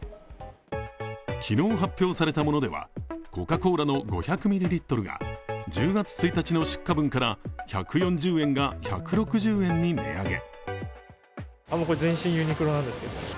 昨日発表されたものでは、コカ・コーラの５００ミリリットルが１０月１日の出荷分から１４０円が１６０円に値上げ。